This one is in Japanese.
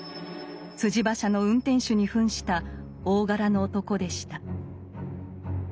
馬車の運転手にふんした大柄の男でした。